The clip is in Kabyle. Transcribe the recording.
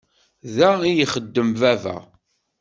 Da i ixeddem baba.